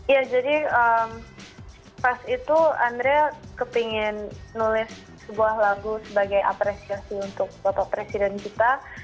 ya jadi pas itu andrea kepengen nulis sebuah lagu sebagai apresiasi untuk bapak presiden kita